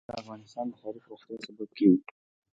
کلي د افغانستان د ښاري پراختیا سبب کېږي.